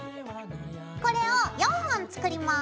これを４本作ります。